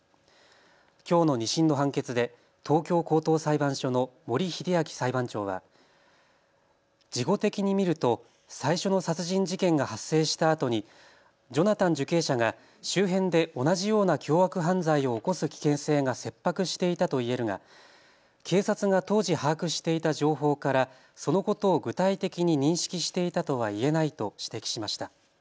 きょうの２審の判決で東京高等裁判所の森英明裁判長は事後的に見ると最初の殺人事件が発生したあとにジョナタン受刑者が周辺で同じような凶悪犯罪を起こす危険性が切迫していたといえるが警察が当時把握していた情報からそのことを具体的に認識していたとは言えないと指摘しました。